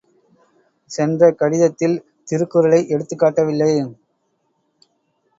சென்ற கடிதத்தில் திருக்குறளை எடுத்துக் காட்டவில்லை!